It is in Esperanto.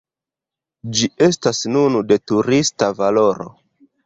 Ĝi estas nun de turista valoro.